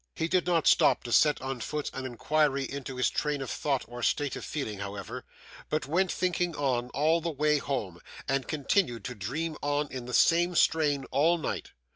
He did not stop to set on foot an inquiry into his train of thought or state of feeling, however; but went thinking on all the way home, and continued to dream on in the same strain all night.